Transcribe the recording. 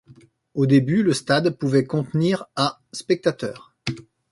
Au début, le stade pouvait contenir à spectateurs.